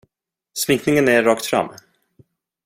Sminkningen är rakt fram.